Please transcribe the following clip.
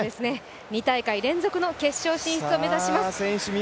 ２大会連続の決勝進出を目指します。